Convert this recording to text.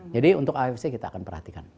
jadi untuk afc kita akan perhatikan